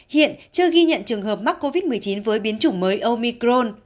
hiện chưa ghi nhận trường hợp mắc covid một mươi chín với biến chủng mới omicron